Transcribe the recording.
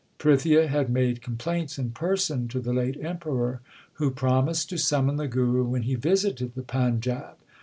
Prithia had made com plaints in person to the late Emperor, who promised to summon the Guru when he visited the Panjab.